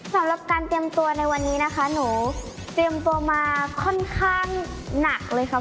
สำหรับการเตรียมตัวในวันนี้นะคะหนูเตรียมตัวมาค่อนข้างหนักเลยค่ะ